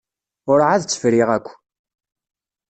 Ur εad tt-friɣ akk.